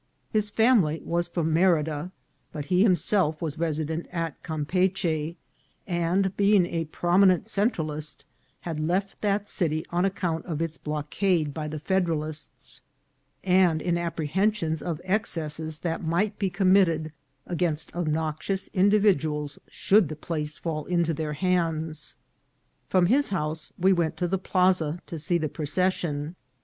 His family was from Merida, but he himself was resident at Campeachy ; and, being a prominent Cen tralist, had left that city on account of its blockade by the Federalists, and in apprehensions of excesses that might be committed a gainst obnoxious individuals should the place fall into their hands. From his house we went to the plaza to see the procession.